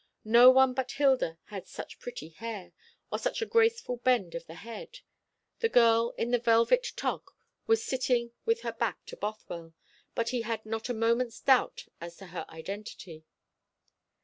No one but Hilda had such pretty hair, or such a graceful bend of the head. The girl in the velvet toque was sitting with her back to Bothwell; but he had not a moment's doubt as to her identity.